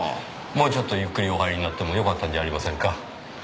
もうちょっとゆっくりお入りになってもよかったんじゃありませんか？